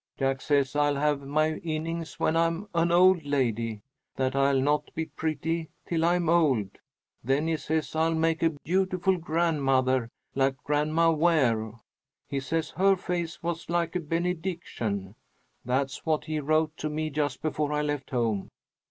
Jack says I'll have my innings when I am an old lady that I'll not be pretty till I'm old. Then he says I'll make a beautiful grandmother, like Grandma Ware. He says her face was like a benediction. That's what he wrote to me just before I left home.